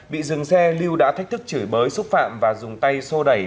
bị dừng xe lưu đã thách thức chửi bới xúc phạm và dùng tay sô đẩy